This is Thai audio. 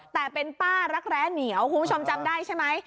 แต่เป็นป้ารักแร้เหนียวคุณผู้ชมจำได้ใช่ไหม